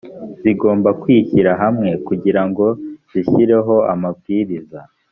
zigomba kwishyira hamwe kugira ngo zishyireho amabwiriza